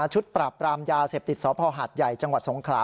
ชุดปราบปรามยาเสพติดสพหาดใหญ่จังหวัดสงขลา